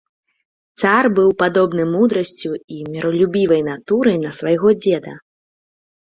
Цар быў падобны мудрасцю і міралюбівай натурай на свайго дзеда.